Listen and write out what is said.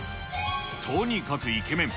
とにかくイケメン。